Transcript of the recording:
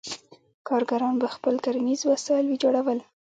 کارګران به خپل کرنیز وسایل ویجاړول.